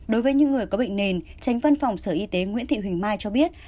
đối với những người có bệnh nền tránh văn phòng sở y tế nguyễn thị huỳnh mai cho biết